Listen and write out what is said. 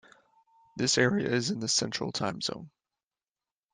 This area is in the Central Time Zone.